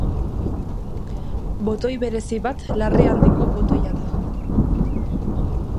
Botoi berezi bat larrialdiko botoia da.